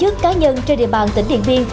và các tổ chức cá nhân trên địa bàn tỉnh điện biên